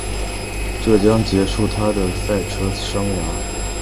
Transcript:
这或将结束她的赛车生涯。